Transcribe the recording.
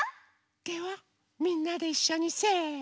ではみんなでいっしょにせの。